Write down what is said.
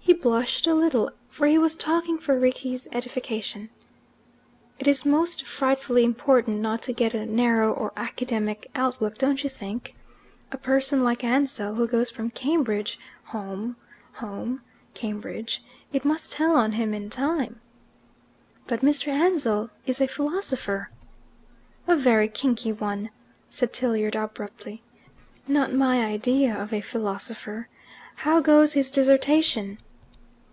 He blushed a little, for he was talking for Rickie's edification. "It is most frightfully important not to get a narrow or academic outlook, don't you think? A person like Ansell, who goes from Cambridge, home home, Cambridge it must tell on him in time." "But Mr. Ansell is a philosopher." "A very kinky one," said Tilliard abruptly. "Not my idea of a philosopher. How goes his dissertation?"